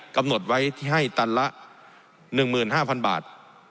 กำหนดไว้ที่ให้ตันละ๑๕๐๐๐บาท